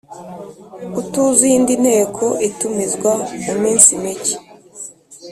Utuzuye indi nteko itumizwa mu minsi mike